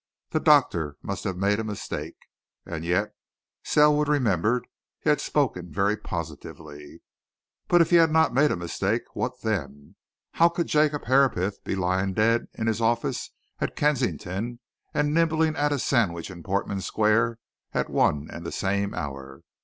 The doctor must have made a mistake and yet, Selwood remembered, he had spoken very positively. But if he had not made a mistake? what then? How could Jacob Herapath be lying dead in his office at Kensington and nibbling at a sandwich in Portman Square at one and the same hour?